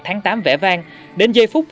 tháng tám vẽ vang đến giây phút